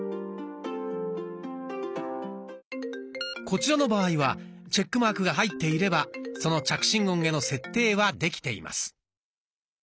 こちらの場合はチェックマークが入っていればその着信音への設定はできています。